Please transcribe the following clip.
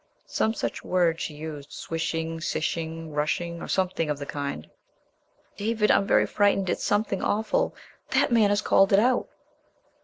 Some such word she used swishing, sishing, rushing, or something of the kind. "David, I'm very frightened. It's something awful! That man has called it out...!"